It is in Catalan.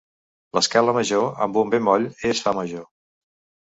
L'escala major amb un bemoll és Fa major.